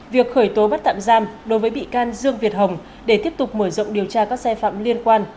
việc khởi tố bắt tạm giam đối với bị can dương việt hồng để tiếp tục mở rộng điều tra các sai phạm liên quan